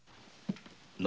何？